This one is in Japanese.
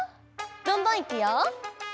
どんどんいくよ。